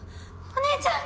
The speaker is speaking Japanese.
お姉ちゃん！